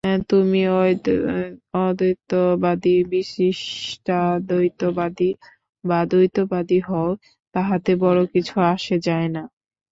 তুমি অদ্বৈতবাদী, বিশিষ্টাদ্বৈতবাদী বা দ্বৈতবাদী হও, তাহাতে বড় কিছু আসে যায় না।